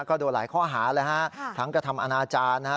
ก็โดนหลายข้อหาเลยฮะทั้งกระทำอนาจารย์นะฮะ